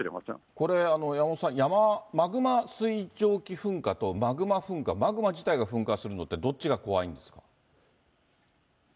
これ、山元さん、マグマ水蒸気噴火と、マグマ噴火、マグマ自体が噴火するのって、どっちが怖いんですか。